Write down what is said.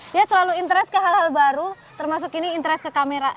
dia selalu interest ke hal hal baru termasuk ini interest ke kamera